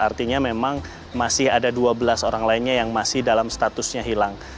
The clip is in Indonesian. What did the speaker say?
artinya memang masih ada dua belas orang lainnya yang masih dalam statusnya hilang